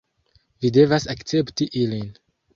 Vi devas akcepti ilin